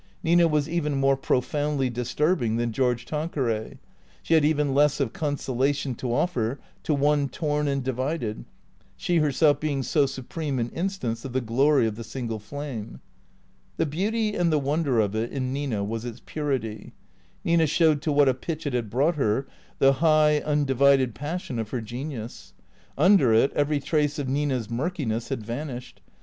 Nina was even more profoundly disturbing than George Tanqueray; she had even less of conso lation to offer to one torn and divided, she herself being so supreme an instance of the glory of the single flame. The beauty and the wonder of it — in Nina — was its puritv. Nina showed to what a pitch it had brought her, the high, un divided passion of her genius. Under it every trace of Nina's murkiness had vanished.